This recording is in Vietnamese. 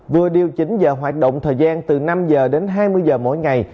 vừa điều chỉnh giờ hoạt động thời gian từ năm giờ đến hai mươi giờ mỗi ngày